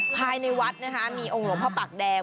ภายในวัดนะคะมีองค์หลวงพ่อปากแดง